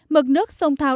mực nước sông thao